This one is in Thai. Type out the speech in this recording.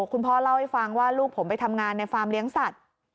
คุณพ่อเล่าให้ฟังว่าลูกผมไปทำงานในฟาร์มเลี้ยงสัตว์